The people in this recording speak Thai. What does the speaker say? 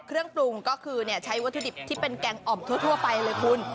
เครื่องปรุงก็คือใช้วัตถุดิบที่เป็นแกงอ่อมทั่วไปเลยคุณ